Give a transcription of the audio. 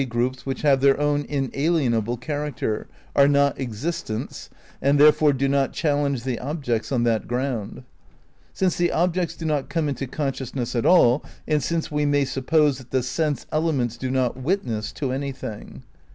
116 THE NEW IDEALISM in groups which have their own inalienable character, are not existents and therefore do not challenge the ob jects on that ground; since the objects do not come into consciousness at all and since we may suppose that the sense elements do not "witness" to anything.